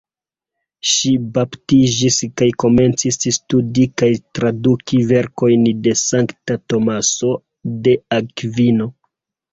Ŝi baptiĝis kaj komencis studi kaj traduki verkojn de sankta Tomaso de Akvino.